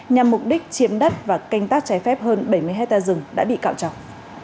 nhằm mục đích chiếm đất và canh tác trái phép hơn bảy mươi hectare rừng đã bị cạo chọc